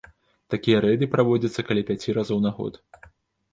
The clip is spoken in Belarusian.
Такія рэйды праводзяцца каля пяці разоў на год.